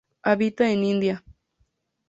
Habita en India.